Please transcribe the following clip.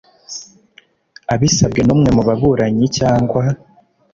Abisabwe n umwe mu baburanyi cyangwa